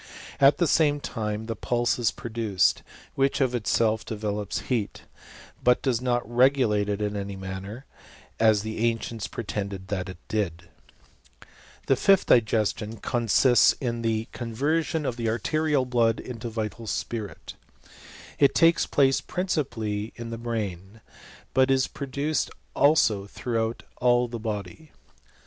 At the same time the pulaoi: " is produced, which of itself develops heat ; but do^ not regulate it in any manner, as the ancients prie tended that it did. l\it fifth digestion consists in tlk ■ i VAN HELMOKT AND THE lATRO CHEMISTS. 189 nversion of the arterial blood into vital spirit. It kes place principally in the brain, but is produced U> throughout all the body.